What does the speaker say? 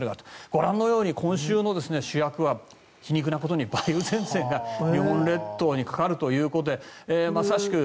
ご覧のように今週の主役は皮肉なことに梅雨前線が日本列島にかかるということでまさしく。